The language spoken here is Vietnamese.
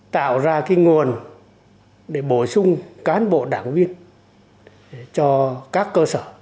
tạo ra cái nguồn để bổ sung cán bộ đảng viên cho các cơ sở